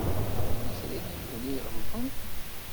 Yella kra n yiwen i iɣelḍen.